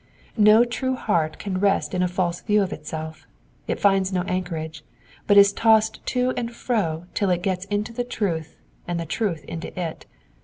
No true heart can rest in a false view of itself ; it finds .no anchorage, but is tossed to and fro till it gets into the truth and the truth into it.